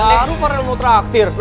baru parah lo mau traktir